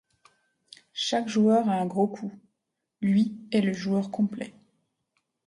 Chaque joueur a un gros coup, lui est le joueur complet.